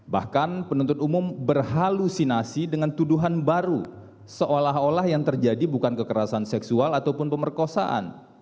bahkan penuntut umum berhalusinasi dengan tuduhan baru seolah olah yang terjadi bukan kekerasan seksual ataupun pemerkosaan